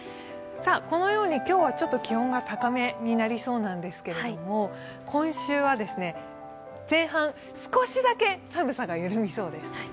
このように今日はちょっと気温が高めになりそうなんですけれども今週は前半、少しだけ寒さが緩みそうです。